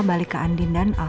balik ke andin dan